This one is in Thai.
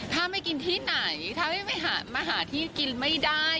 ถ้าไม่กินที่ไหนถ้ามาหาที่กินไม่ได้